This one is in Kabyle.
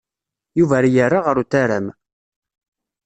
Yuba yerra ɣer utaram.